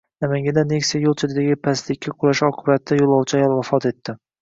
Namanganda Nexia yo‘l chetidagi pastlikka qulashi oqibatida yo‘lovchi ayol vafot etdi